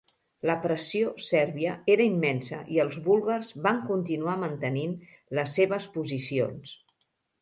La pressió sèrbia era immensa i els búlgars van continuar mantenint les seves posicions.